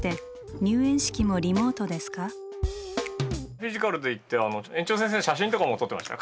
フィジカルで行って園長先生の写真とかも撮ってましたよ。